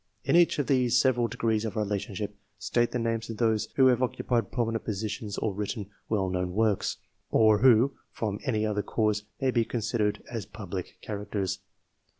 In each of these several degrees of relationship, state the names of those who have occupied prominent positions or written well known works, or who from any other cause may be considered as public characters.